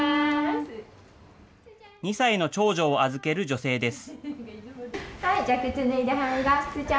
２歳の長女を預ける女性です。